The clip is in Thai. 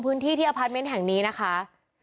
ถึงที่อพาร์ตเมนท์แห่งนี้นะคะ